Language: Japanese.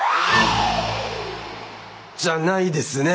じゃないですね。